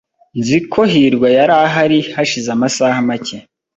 Nzi ko hirwa yari ahari hashize amasaha make.